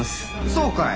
そうかい。